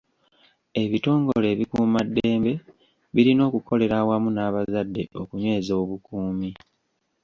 Ebitongole ebikuumaddembe birina okukolera awamu n'abazadde okunyweza obukuumi.